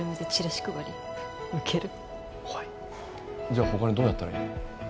じゃあ他にどうやったらいい？